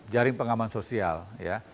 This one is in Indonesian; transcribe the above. jaring pengaman sosial ya